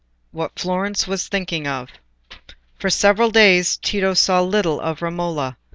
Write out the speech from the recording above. What Florence was thinking of. For several days Tito saw little of Romola.